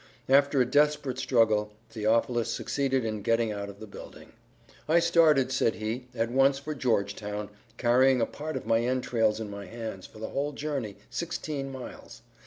After a desperate struggle, Theophilus succeeded in getting out of the building. "I started," said he, "at once for Georgetown, carrying a part of my entrails in my hands for the whole journey, sixteen miles.